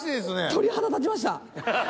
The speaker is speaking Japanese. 鳥肌立ちました。